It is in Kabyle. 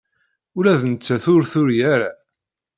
Ula d nettat ur turi ara.